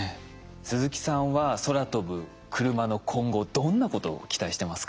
鈴木さんは空飛ぶクルマの今後どんなことを期待してますか？